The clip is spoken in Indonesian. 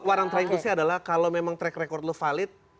warang traing terusnya adalah kalau memang track record lo valid